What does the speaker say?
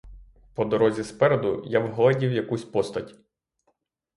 По дорозі спереду я вгледів якусь постать.